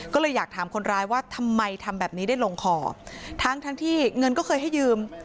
ก็เลยอยากถามคนร้ายว่าทำไมทำแบบนี้ได้ลงคอทั้งทั้งที่เงินก็เคยให้ยืม